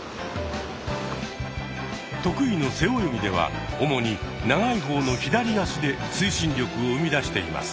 得意の背泳ぎでは主に長い方の左足で推進力を生み出しています。